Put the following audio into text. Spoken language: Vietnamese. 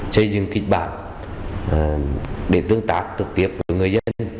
xây dựng kịch bản để tương tác thực tiết với người dân